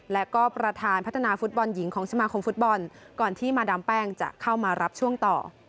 และก็ประธานพัฒนาฟุตบอลหญิงของสมาคมฟุตบอลก่อนที่มาดามแป้งจะเข้ามารับช่วงต่อ